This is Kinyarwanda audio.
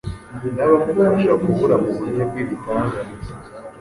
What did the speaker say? n’abamufasha kubura mu buryo bw’ibitangaza